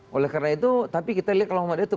boleh karena itu tapi kita lihat kalau mahmadiyah itu